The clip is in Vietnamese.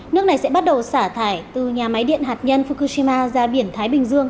nước này sẽ bắt đầu xả thải từ nhà máy điện hạt nhân fukushima ra biển thái bình dương